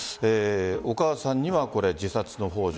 お母さんには自殺のほう助